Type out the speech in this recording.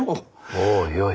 もうよい。